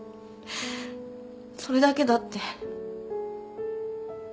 それだけだって。